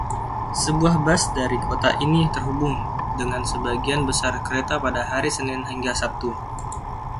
Sebuah bus dari kota ini terhubung dengan sebagian besar kereta pada hari Senin hingga Sabtu.